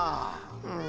うん。